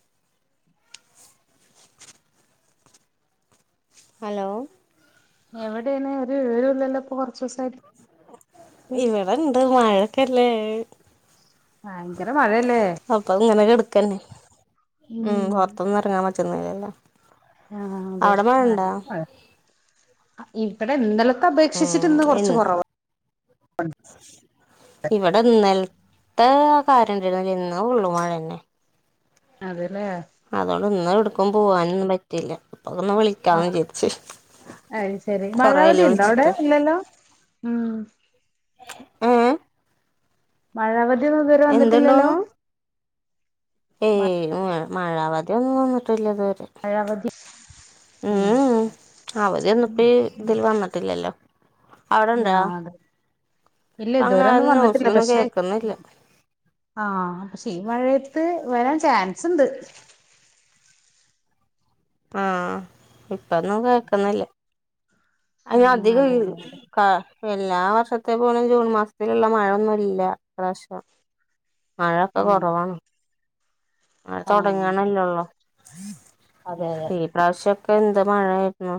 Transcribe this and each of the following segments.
[inaudible] Hello എവിടെയാണ് ഒരു വിവരവും ഇല്ലല്ലോ ഇപ്പോ ഇവിടെ ഇണ്ട് മഴയൊക്കെയല്ലേ ഭയങ്കര മഴയല്ലേ അപ്പങ്ങനെകെട്ക്കന്നെ ഉം പൊർത്തന്നും എറങ്ങാൻ പറ്റുന്നില്ലല്ലോ. ആഹ് അവിടെ മഴ ബെസ്റ്റ് ഇണ്ടാ [unintelligible] ഇവ്ടെ ഇന്നൽത്തെ അപേക്ഷിച്ചിട്ട് ഇന്ന് കൊർച്ച് കൊർവാണ്. [inaudible] ഇവിടെ ഇന്നൽത്തെ കാര്യംണ്ടായിരുന്നു ഇന്നു ഫുള്ളു മഴന്നെ. അതെലെ അതോണ്ട് ഇന്നും എവിട്ക്കും പോവാനൊന്നും പറ്റില്ല ഇപ്പൊന്ന് വിള് ആ അഹ് ശെരി മഴാവധി കൊറേയായില്ലേ ഉണ്ടോ അവിടെ വിളിച്ചിട്ട് ഇല്ലല്ലോ ഉം. ഏഹ് മഴവധിയൊന്നും ഇതുവരെ വന്നിട്ടില്ലല്ലോ? എന്തുണ്ടോന്ന് ഏയ് മഴവദ്യോന്നും തന്നിട്ടില്ല ഇതുവരെ മഴവധി. ഉം ഉംഅവദ്യൊന്നുപ്പ ഈ ഇതിൽ വന്നിട്ടില്ലല്ലോ. അവിടെണ്ടാ ആഹ് അതെ ഇല്ല അ അങ്ങനെ ഇതുവരെ ആ ഒന്നും വന്നിട്ടില്ല ന്യൂസിലൊന്നും പക്ഷെ കേക്കന്നില്ല. ആഹ് പക്ഷെ ഈ മഴയത്ത് വരാൻ ചാൻസുണ്ട് ആഹ് ഇപ്പന്നും കേക്കുന്നില്ല അയ്ൻ ഉം അധികം അതെ ഈ അതെ അതെ ക എല്ലാ വർഷത്തെ പോലും ജൂൺ മാസത്തിലുള്ള മഴൊന്നുല്ല ഇപ്രാവ്ശ്യം മഴൊക്കെ ഉം കൊറവാണ്. മഴ ആഹ് തൊടങ്ങണലൊള്ളു. അതെ ഇപ്രാവ്ശ്യൊക്കെ എന്ത് മഴായിരുന്നു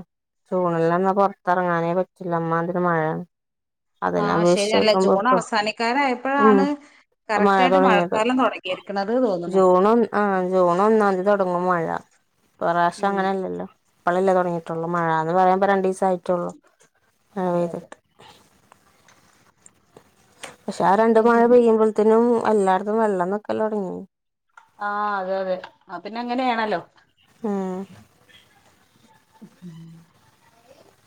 ജൂണിലൊന്നും പൊർത്തെർങ്ങാനേ പറ്റില്ല അമ്മാതിരി മഴ അതന്നെ ആഹ് ശരി അപേക്ഷിച്ചു അല്ല ജൂൺ നോക്കുമ്പോപ്പം ഉം അവസാനിക്കാനായപ്പോഴാണ് ഇപ്പ മഴ കറക്റ്റ് ആയിട്ട് തൊടങ്ങിയത് മഴക്കാലം തുടങ്ങിയിരിക്കണത് തോന്നുന്നു ജൂണും. ആഹ് ജൂൺ ഒന്നാംതീ തൊടങ്ങും മഴ ഇപ്രാവ്ശ്യം ഉം അങ്ങനെയല്ലല്ലോ ഇപ്പഴല്ലേ തൊടങ്ങീട്ടുള്ളു മഴാന്ന് പറയുമ്പോ രണ്ടീസം ആയിട്ടേള്ളൂ. അതെ അതെ. പക്ഷെ ആ രണ്ട് പിന്നെ മഴ പെയ്യുമ്പോള്ത്തിനും എല്ലായിടത്തും വെള്ളം നിക്കലൊട്ങ്ങി. ആഹ് അതെ അതെ അഹ് പിന്നെ അങ്ങനെയാണല്ലോ. ഉം [inaudible]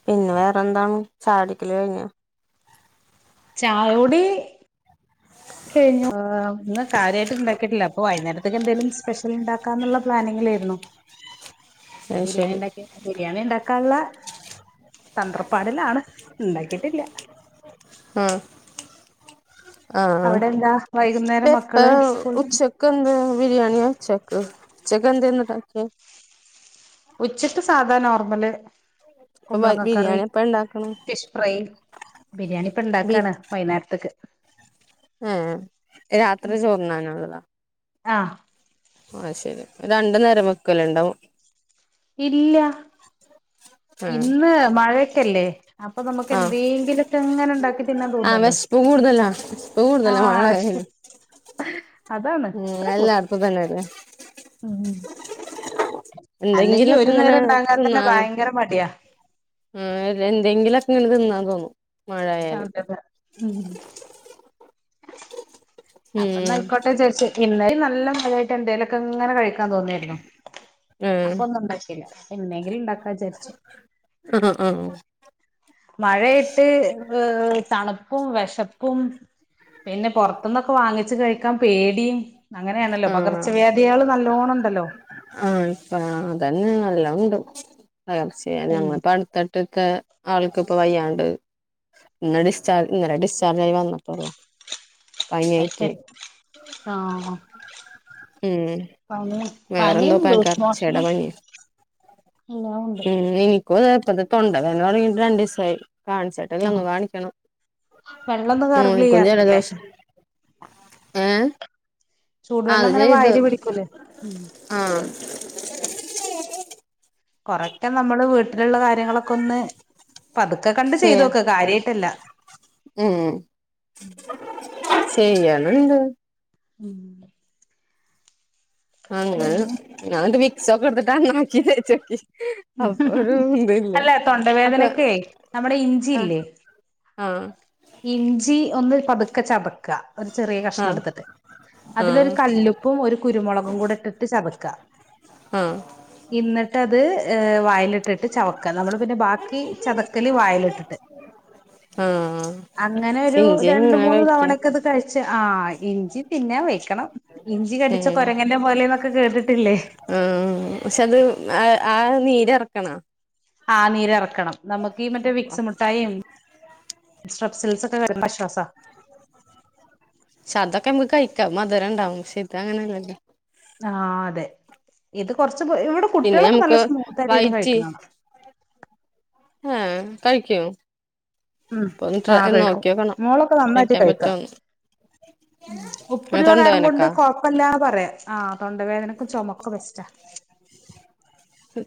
പിന്നെ വേറെന്താണ് ചായുടിക്കല് കഴിഞ്ഞാ. ചായൊടി കൈഞ്ഞു ഇന്ന് കാര്യാട്ട്ണ്ടാക്കിട്ടില്ല അപ്പ വൈന്നേരത്തേക്ക് എന്തേലും സ്പെഷ്യൽ ഇണ്ടാ ക്കാന്നുള്ള പ്ലാനിങ്ങിലേര്ന്നു അപ്പ അത് ശരി ബിരിയാണിണ്ടാ ഉംബിരിയാണി ഇണ്ടാക്കാനുള്ള തന്ത്രപ്പാടിലാണ് ഇണ്ടാക്കിട്ടില്ല. ആഹ് ആഹാ അവിടെ എന്താ വൈകുന്നേരം മക്കള് സ്കൂൾ [unintelligible] ഉച്ച. ക്കെന്താ ബിരിയാണിയ ചക്ക് ഉച്ചക്കെന്താണ്ടാക്കി. ഉച്ചക്ക് സാധാ നോർമല് ഇപ്പൊ കുമ്പളങ്ങ കറി, ബിരിയാണി എപ്പ ഉണ്ടാക്കണെ ഫിഷ് ഫ്രൈ, ബിരിയാണി ബി ഇപ്പൊണ്ടാക്കാണ്. വൈന്നാരത്ത്ക്ക്. ഏഹ് രാത്രി ചോർന്നാനുള്ളതോ. ആഹ്. അഹ് ശെരി രണ്ട് നേരം വെക്കല്ണ്ടാവും. ഇല്ല്യ [inaudible] ഇന്ന് മഴയൊക്കല്ലേ അപ്പൊ നമുക്ക് ആഹ് എന്തേങ്കിലൊക്കെ ഇങ്ങനെ ഇണ്ടാക്കി തിന്നാ തോന്ന. ആഹ് വെഷ്പ് കൂടുതലാ വെഷ്പ് കൂടുതലാ വിശ മഴയാതോണ്ട്. അതാണ്. നല്ല അത്രേള്ളൂ അട്പ്പ്തന്നെ വേ ഉം അല്ലെങ്കി എന്തെങ്കിലൊക്കെ ഒരു ഇങ്ങനെ നേരം ഇണ്ടാക്കാ തന്നെ ഭയങ്കര മടിയാ. ഉം ഇതെന്തെങ്കിലൊക്കെങ്ങ് തിന്നാൻ തോന്നു. [unintelligible] ഉം. ഉം അപ്പൊനയ്ക്കോട്ടെ വിചരിച്ച് ഇന്നലയുനല്ല മഴയായിട്ടെന്തേലൊക്കെ ഇങ്ങനെ കഴിക്കാതോന്നരുന്നു ആഹ് അപ്പൊന്നു ഉണ്ടാക്കില്ല. ഇന്നെങ്കിലു ഇണ്ടാക്കാ വിചാരിച്ചു [unintelligible] മഴേയിട്ട് ഏഹ് തണുപ്പും വെശപ്പും പിന്നെ പൊർത്തുന്നൊക്കെ വാങ്ങിച്ച് കഴിക്കാൻ പേടിം അങ്ങനെയാണല്ലോ, ആഹ് ആഹ് പകർച്ചവ്യാധിയള് നല്ലോണണ്ടല്ലോ. ആഹ് ഇപ്പ അതന്നെ നല്ലോംണ്ട് പകർച്ചവ്യാധി ഉം ഞങ്ങൾപ്പോ അടുത്തട് ട്ടക്കൊ ആൾക്കിപ്പോ വയ്യാണ്ട് ഇന്ന് ഡിസ്ചാർജ് ഇന്നലെ ഡിസ്ചാർജായി വന്ന്ട്ടൊള്ളൂ അയ്ശെരി ആഹ് ഉം പനി വേറെന്തോ പനിം പകർച്ചേടെ ലൂസ്മോശനും ഇന്നെനിക്കുതേ ഇപ്പതാ തൊണ്ടവേദന തൊടങ്ങിട്ട് രണ്ടിസായി. കാണിച്ച ട്ട്‌ല്ലെന്ന് ആഹ് കാണിക്കണം വെള്ളൊന്നും ഗർഗിൾ മോനിക്കും ചെയ്യാറില്ലേ ജലദോഷം ഏഹ് അത് ചൂടുവെള്ളങ്ങനെ ചെയ്തു വായില് പിടിക്കൂലേ, ഉം ആഹ് കൊറക്കെ നമ്മള് വീട്ടില്ള്ള കാര്യങ്ങളൊക്കെ ഒന്ന് പതുക്കെ കണ്ട് ശരി ചെയ്തുനോക്ക്, കാര്യയിട്ടല്ല. ഉം, ചെയ്യണ്‌ണ്ട് [unintelligible] അങ്ങനെ പിന്നെ ഞാൻൻട്ട് വിക്സൊക്കെ എടുത്ത് തലമ്മലാക്കി തേച്ചോക്കി അപ്പൊരു ഇതുല്ല അല്ല അപ്പൊ തൊണ്ടവേദനക്കെ നമ്മുടെ ആഹ് ഇഞ്ചിയില്ലേ ആഹ് ഇഞ്ചി ഒന്ന് പതുക്കെ ചതക്ക, ഒരു ചെറിയ ആഹ് കഷ്ണടുത്തിട്ട് ആഹ് അതിലൊരു കല്ലു പ്പും ഒരുകുരുമൊളകും കൂടെ ഇട്ടിട്ട് ചതക്ക ആഹ് ഇന്നട്ട് അത് ഏഹ് വായലിട്ടിട്ട് ചവക്ക. നമ്മള് പിന്നെ ബാക്കി ചതക്കല് വായലിട്ടിട്ട് ആഹ് അങ്ങനൊരു ഇഞ്ചി ഇങ്ങനെ രണ്ടുമൂന്ന് കഴിക്ക തവണക്കെത് കഴിച്ചാ ആഹ് ഇഞ്ചി തിന്നാവെക്കണം. ഇഞ്ചി കടിച്ച ഉം കൊരങ്ങൻ്റെ പോലെന്നൊക്ക കേട്ടിട്ടില്ലേ ആഹ് ശെത് ആ ആ നീരെറക്കണാ? ആ നീരറക്കണം. നമുക്ക് ഈ മറ്റേ വിക്സ് മുട്ടായു സ്ട്രപ്സിൽസ് ഒക്കെ വരുന്ന ആശ്വാസ ക്ഷെ അതൊക്കെ നമ്മക്ക് കഴിക്കാ മധുരണ്ടാവും. ക്ഷെ ഇത് അങ്ങനെല്ലല്ലോ ആഹ് അതെ ഇത് കൊർച്ച് ബു ഇവിടെ പിന്നെ കുട്ട്യേളൊക്കെ നല്ല നമുക്ക് സ്മൂത്തായിട്ട് ഇര്ന്ന് കഴിക്ക്ണാണ. ഏഹ്, കഴിക്കോ? ഉം അപ്പൊ ഒന്ന് ട്ര ആ കഴിക്കും നോക്കിയോക്കണം മോളൊക്കെ നന്നായിട്ട് കഴിക്കാൻ കഴിക്കാ പറ്റോന്ന് ഉപ്പുള്ള കാരം കൊണ്ട് തൊണ്ടവേനക്കാ കൊഴ പ്പല്ലാന്ന് പറയാ, ആഹ് തൊണ്ടവേദനക്കു ചൊമക്കൊക്കെ ബെസ്റ്റാ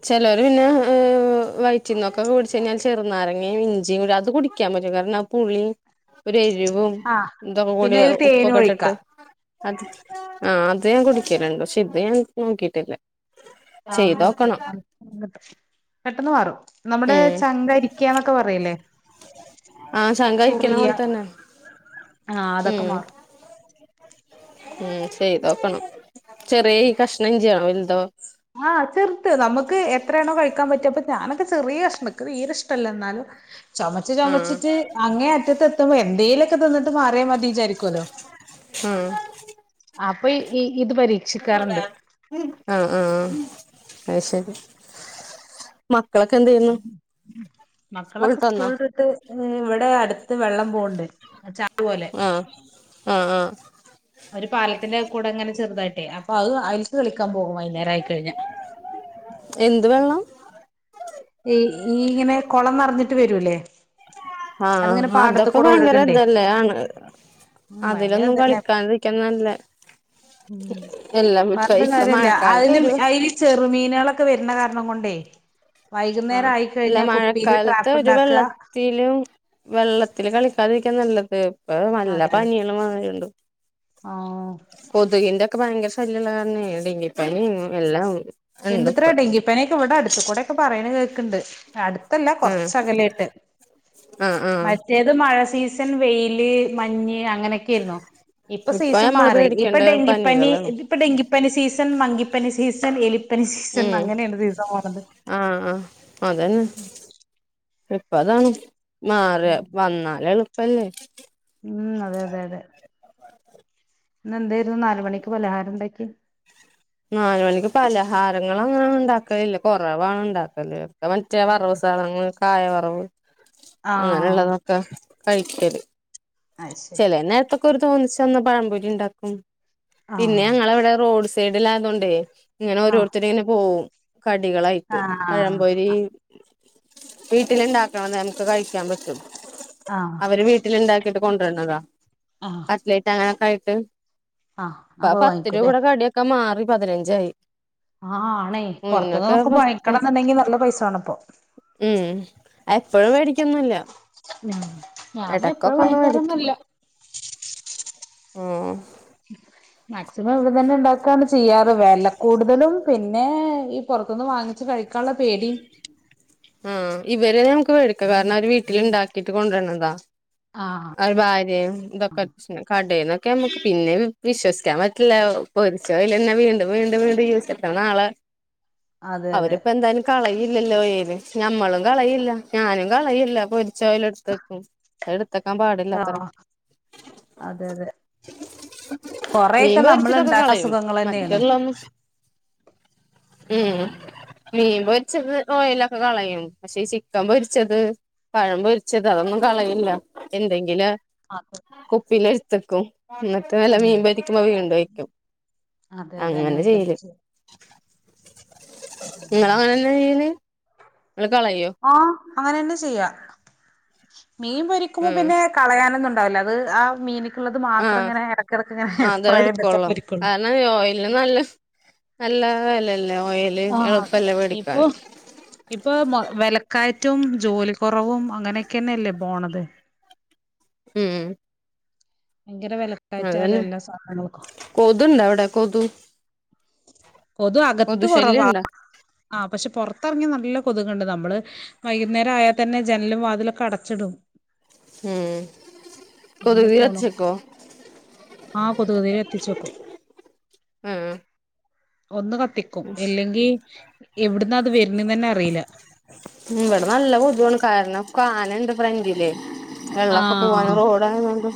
ചെലോര്‌ പിന്നെ ഏഹ് വ് വൈറ്റിന്നൊകൊക്കെ പിടിച്ചു കയിഞ്ഞാല് ചെറുനാരങ്ങിം ഇഞ്ചിയും കൂടി അത് കുടിക്കാൻ പറ്റും. കാരണ പുളും ഒരു എരിവും ആഹ് ഇതൊക്കെ കൂടി പിന്നെ അതിൽ തേനും ഉപ്പൊക്കെട്ടിട്ട് ഒഴിക്കാം അത് ആ അത് ഞാൻ കുടിക്കലുണ്ട്. പശെ ഇത് ഞാൻ നോക്കിട്ടില്ലാ ആഹ് ഒന്ന് നോക്ക് [unintelligible] പെട്ടെന്ന് മാറും. നമ്മടെ ഉം ചങ്കരി ക്കന്നൊക്കെ പറയില്ലേ ആഹ് ചങ്കരിക്കണ ചൊറിയ പോലെ തന്നെ. ആഹ് അതൊക്കെ ഉം മാറും ഉം ചെയ്തോക്കണം, ചെറിയ ഈ കഷ്ണം ഇഞ്ചിയോ വെൽതോ? ആഹ് ചെർത് നമ്മക്ക് എത്രയാണോ കഴിക്കാൻ പറ്റ, അപ്പൊ ഞാനൊക്കെ ചെറിയഷ്ണ ൻക്ക് തീരെഷ്ടല്ല. ന്നാലു ചൊമച്ച് ആഹ് ചൊമച്ചിറ്റ് അങ്ങേ അറ്റത്തെത്തുമ്പോ എന്തെലു ഉം അപ്പോ ഈ ഇത് പരി [unintelligible] ആഹ് ആ അയ് ശരി മക്കളൊക്കെ എന്ത് ചെയ്യുന്നു? മക്കളൊക്കെ സ്കൂളിട്ട് വന്നോ സ്കൂളില്ഇട്ട് ഇവിടെ അടുത്ത് വെള്ളം പോകണ്ട് ചാല് പോലെ ആഹ്ആ ആ.. ഒരു പാലത്തിന്റെ കൂടെ അങ്ങനെ ചെറുതായിട്ടേ അപ്പൊ അത് അലി കളിക്കാൻ പോകും വൈകുന്നര ആയിക്കഴിഞ്ഞ.. എന്ത് വെള്ളം? ഈ ഇങ്ങനെ കൊള്ളംനറഞ്ഞിട്ട് വരൂല്ലേ? ആഹ് അതൊക്കെ ഭയങ്കര ഒഴുകണ്ടേ ഇതല്ലേ ആണ് ഉം ഭയങ്കര അതിലൊന്നും ഇതന്നെ കളിക്കാൻരിക്കൻ നല്ലേ.. ഉം പറഞ്ഞിട്ട് ഇപ്പ കാര്യാല്ല മഴക്കാലത്ത് അയല് ഒരു അയല് ചെറുമീനുകളൊക്കെ വരുന്ന കാരണം കൊണ്ടേ വൈകുന്നേരം ആഹ് അല്ല ആയിക്കഴിഞ്ഞാ കുപ്പിയില് മഴക്കാലത്ത് ട്രാപ്പ് ഒരു ഉണ്ടാക്ക വെള്ള ത്തിലും വെള്ളത്തില് കളിക്കാതിരിക്കാൻ നല്ലത്. ഇപ്പോ നല്ല അതെ അതെ പനി ഇള്ള [unintelligible] മതിയുണ്ട് ആഹ് കൊതകിന്റെ ഒക്കെ ഭയങ്കര ശല്യമള്ള കാരണേ ഡെങ്കിപ്പനി എല്ലാം ഉണ്ട്പ്പോ ഇപ്പനെയൊക്കെ ഇവിടെ അടുത്ത കൂടെയൊക്കെ പറയണ കേൾക്കുണ്ട് അടുത്തല്ല ആഹ് കൊറച്ചകലായിട്ട് ആഹ് മറ്റ് ആഹ് മറ്റേത് മഴ സീസൺ വെയില് മഞ്ഞ് അങ്ങനെക്കെ ക്കെര്ന്നു ഇപ്പ ഇപ്പോസീസൺ നമ്മള് മാറി ഇപ്പൊ പേടിക്കേണ്ട ഡെങ്കിപ്പനി പനികളാണ് ഇത് ഇപ്പൊ ഡെങ്കിപ്പനി സീസൺ മങ്കിപ്പനി സീസൺ എലിപ്പനി സീസൺ അങ്ങനെയാണ് സീസൺ പൊന്നത്. ആഹാ ആ അതന്നെ ഇപ്പ അതാണ്. മാറാ വന്നാല് എളുപ്പല്ലേ? ഉം അതെ അതെ അതെ ഇന്ന് എന്തായിരുന്നു നാല് മണിക്ക് പലഹാരം ഇണ്ടാക്ക്യേ.. നാല് മണിക്ക് പലഹാരങ്ങള അങ്ങനെ ഉണ്ടാക്കലില്ല കൊറവാണ് ഇണ്ടാക്കല് ഒക്കെ മറ്റേ വറവ് സാധങ്ങ കായവറവ് ആഹ് അങ്ങനെയുള്ളതൊക്കെ കഴിക്കല് അത് ശരി. ചെചല നേരത്തൊക്കെ ഒരു തോന്നിച്ചന്ന പഴംപൊരി ഉണ്ടാക്കും പിന്നെ ആഹ് ഞങ്ങവിടെ റോഡ്സ് സൈഡില ആതൊണ്ടേ ഇങ്ങനെ ആഹ് ഓരോരുത്തരിങ്ങനെ പോവും കടികൾ ആയിട്ട് ആഹ് പഴംപൊരി വീട്ടിലുണ്ടാക്കണ നേരത്ത് കഴിക്കാൻ പറ്റും ആഹ് അവര് വീട്ടിലുണ്ടാക്കി ഇങ്ങോട്ട് കൊണ്ട് രണതാ.. ആഹ്. കട്ട്ലെറ്റ് അങ്ങനൊക്കെ ആയിട്ട് ആഹ് അപ്പൊ പത്ത് രൂപ വാങ്ങിക്കൂല്ലേ കൂടെ കടിയൊക്കെ മാറി പതിനഞ്ചായി ആഹ് ആണെ പൊറത്തു നിന്ന് മുന്നൊക്കെ നോക്ക പത്ത് പണിക്കടന്നുണ്ടെങ്കി നല്ല പൈസ വേണിപ്പൊ ഉം എപ്പഴും മേടിക്കൊന്നില്ല. ഉം ഞാന് ഒക്ക ഫുള്ള് മേടിക്ക് ഉം. മാക്സിമം ഇവിടെ തന്നെ ഉണ്ടാക്കുകയാണ് ചെയ്യാറ് വെല കൂടുതലും പിന്നെ ഈ പുറത്തുനിന്ന് വാങ്ങിച്ച് കഴിക്ക ത്തള പേടിം. ഉം. ഇവരെ നമുക്ക് മേടിക്കാം കാരണം അവര് വീട്ടിൽ ഇണ്ടാക്കിട്ട് കൊണ്ടുവരണതാ ആഹ് അയ് ഭാര്യയും ഇതക്കെ ക്ഷ കടയിൽന്നൊക്കെ നമുക്ക് പിന്നെ വിശ്വസിക്കാൻ പറ്റില്ല പൊരിച്ചയൽ തെന്ന വീണ്ടും വീണ്ടും വീണ്ടും യുസ പ്പം നാളെ അതെ അതെ അവരിപ്പോ എന്തായാലും കളയില്ലല്ലോ ഞമ്മളും കളയില്ല ഞാനും കളയില്ല പൈ ചോയ്ലെടുത്തക്കും. ആഹ് അതെ അതെ. മീൻ കൊറെയൊക്കെ നമ്മള് പൊരിച്ചതൊക്കെ ഇണ്ടാക്കുന്ന കളയും അസുഖങ്ങൾ തന്നെയാണ്. മറ്റുള്ളൊന്നും ഉം എമ്മാണ്ട് മീൻ പൊരിച്ചത് ഓയിലൊക്കെ കളയും പക്ഷേ ചിക്കൻ പൊരിച്ചത്. പഴംമ്പൊരിച്ചത് അതൊന്നും കളയില്ല എന്തെങ്കിലും അതെ കുപ്പില് എടുത്തക്കും ട്ട് വല്ല ഉം മീൻ പൊരിക്കുമ്പോ വീണ്ടും ഒയ്ക്കും അതെ അതെ അങ്ങനെ തന്നെ ചെയ്യല് ചെയ്യ ങ്ങളും അങ്ങനെന്നാ ചെയ്യല് ങ്ങ കളയോ. ആഹ് അങ്ങനന്നെ ചെയ്യാ മീൻ പൊരിക്കുമ്പോ ഉം പിന്നെ കളയാനൊന്നും ഉണ്ടാവില്ല അത് ആഹ് മീന ക്കുള്ളത് മാത്രം ആഹ് ഇങ്ങനെ എടക്കെടക്ക് ഇങ്ങനെ അതെ സ്പ്രേ ചെയ്തിട്ട് എടുക്കുള്ളൂ പൊരികൊള്ളൂ കാരണം ഓയിലിന് നല്ല നല്ല വെലല്ലേ ഓയില് ആഹ് അതെ എളുപ്പല്ല വേടിക്കാൻ ഇപ്പൊ ഇപ്പൊ വെലക്കയറ്റും ജോലി കുറവും അങ്ങനെയൊക്കെന്നെല്ലേ പോണത് ഉം ഭയങ്കര വിലക്കയറ്റാലോ എല്ലാ സാധനങ്ങൾക്കും കൊതുണ്ട അവടെ കൊതു കൊതു അകത്ത് കൊറവാ ആഹ് പക്ഷെ പുറത്തിറങ്ങിയ നല്ല കൊതക്ണ്ട് നമ്മള് വൈകുന്നേരം ആയാ തന്നെ ജനലും വാതിലൊക്കെ അടച്ചിടും ഉം അങ്ങനെ കൊതുക് പോണം ക്ക കടിച്ചേക്കോ ആഹ് കൊതുകുതിരി ക കത്തിച്ചോക്കും ആഹ് ഒന്ന് കത്തിക്കും അല്ലെങ്കി എവിടന്ന അത് വരുന്നന്ന് തന്നെ അറിയില്ല ഉം ഇവിടെ നല്ല കൊതു ആണ് കാരണം കാനണ്ട് ഫ്രണ്ടിലെ ആ വെള്ളൊക്കെ പോവാന് റോഡായോണ്ട്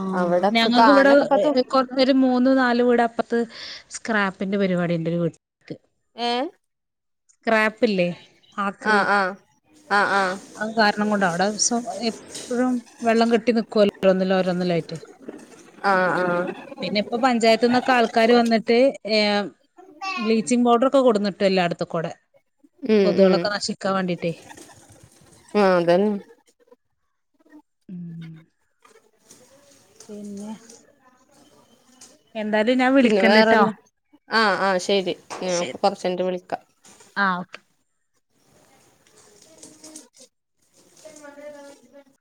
ആഹ് ഞങ്ങക്ക് ഇവിടെ കൊ ഒരു മൂന്നു നാല് വീട് അപ്പറത്ത് സ്ക്രാപ്പിന്റെ പരിപാടി ണ്ട് ഒരു വീട്ടി [unintelligible] ഏ സ്ക്രാപ്പില്ലേ ആക്രി ആഹ് ആഹ് ആഹ് ആഹ് അത് കാരണം കൊണ്ട അവിടെ ദിവസം എപ്പോഴും വെള്ളം കെട്ടി നക്കുവല്ലോ റൊന്നില ഒരൊന്നിലയിട്ട ആഹ് ആഹ് പിന്നെ ഇപ്പ പഞ്ചായത്ത്ന്നൊക്കെ ആൾക്കാര് വന്നിട്ട് ഏഹ് ബ്ലീച്ചിങ് പൗഡർ ഒക്കെ കൊടുന്നിട്ട് എല്ലാടത്തും കൂടെ ഉം ഉം കൊതുകളൊക്കെ നശിക്കാൻ വേണ്ടീട്ടേ ആഹ് അതന്നെ പിന്നെ എന്തായാലും ഞാൻ പിന്നെ വേറെ വിളിക്കണ്ട്ട്ടോ എന്താ ആഹ് ആഹ് ശെരി ഞാൻ കൊറച്ചഴിഞ്ഞിട്ട് വിളിക്കാം ആഹ് ഓകെ [inaudible]